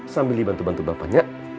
sambil dibantu bantu bapaknya